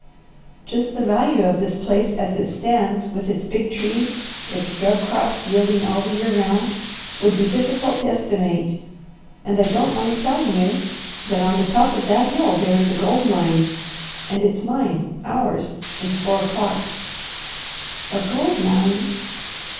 Just the value of this place as it stands, with its big trees, its drug crops yielding all the year round, would be difficult to estimate; and I don't mind telling you that on the top of that hill there is a gold mine, and it's mine ours since four o'clock." "A gold mine!"